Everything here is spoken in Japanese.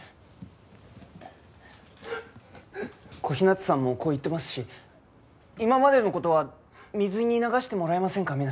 小日向さんもこう言ってますし今までの事は水に流してもらえませんか？